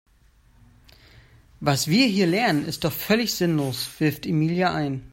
Was wir hier lernen ist doch völlig sinnlos, wirft Emilia ein.